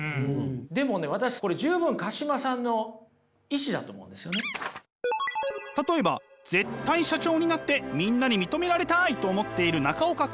でもね私これ例えば絶対社長になってみんなに認められたいと思っている中岡君。